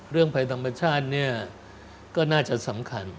ภัยธรรมชาติเนี่ยก็น่าจะสำคัญ